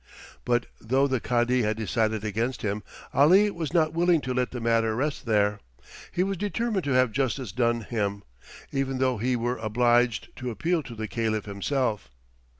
But though the Cadi had decided against him, Ali was not willing to let the matter rest there. He was determined to have justice done him, even though he were obliged to appeal to the Caliph himself.